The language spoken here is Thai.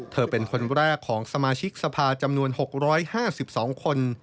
เธอเป็นคนแรกของสมาชิกสภา๕๕๒คน